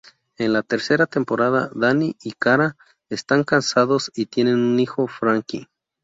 En la tercera temporada, Danny y Kara están casados y tienen un hijo, Frankie.